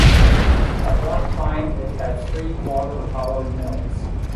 At one time it had three water powered mills.